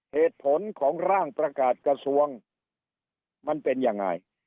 เหตุผลของร่างประกาศกระทรวงมันเป็นยังไง